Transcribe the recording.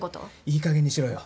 いいかげんにしろよ